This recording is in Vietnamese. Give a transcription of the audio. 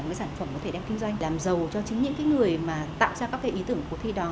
những sản phẩm có thể đem kinh doanh làm giàu cho chính những cái người mà tạo ra các cái ý tưởng của thi đó